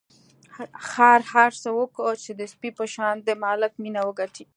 خر هڅه وکړه چې د سپي په شان د مالک مینه وګټي.